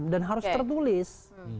dan harus tertulis